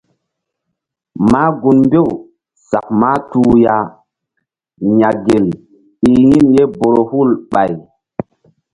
Mah gun mbew sak mahtuh ya yagel i yin ye Borohul ɓay.